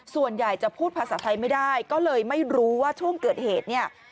ส่วนใหญ่จะพูดภาษาไทยไม่ได้ก็เลยไม่รู้ว่าช่วงเกิดเหตุเนี่ย